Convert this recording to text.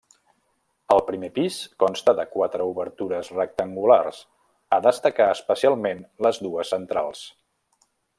El primer pis consta de quatre obertures rectangulars, a destacar especialment les dues centrals.